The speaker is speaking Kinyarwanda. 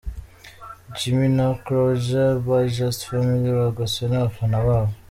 Jimmy na Croija ba Just Family bagoswe n'abafana babo.